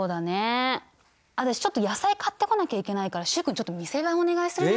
私ちょっと野菜買ってこなきゃいけないから習君ちょっと店番お願いするね。